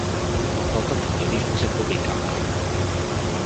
我覺得同佢啲膚色都幾夾吖